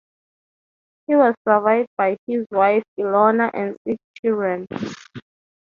He was survived by his wife Ilona and six children.